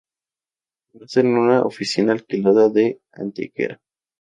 Nace en una oficina alquilada de Antequera.